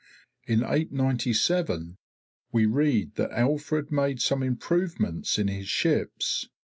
In 897 we read that Alfred made some improvements in his ships.